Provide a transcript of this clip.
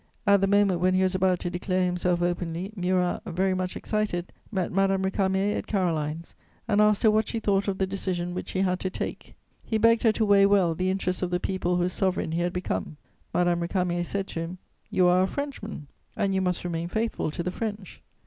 At the moment when he was about to declare himself openly, Murat, very much excited, met Madame Récamier at Caroline's, and asked her what she thought of the decision which he had to take; he begged her to weigh well the interests of the people whose sovereign he had become. Madame Récamier said to him: "You are a Frenchman and you must remain faithful to the French."